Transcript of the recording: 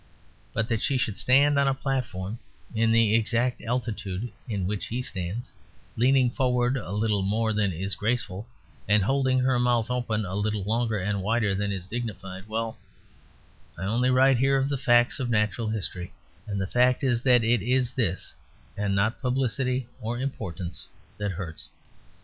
But that she should stand on a platform in the exact altitude in which he stands; leaning forward a little more than is graceful and holding her mouth open a little longer and wider than is dignified well, I only write here of the facts of natural history; and the fact is that it is this, and not publicity or importance, that hurts.